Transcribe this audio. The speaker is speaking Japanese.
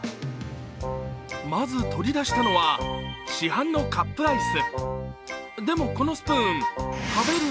まず取り出したのは市販のカップアイス。